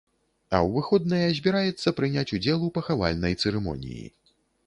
А ў выходныя збіраецца прыняць удзел у пахавальнай цырымоніі.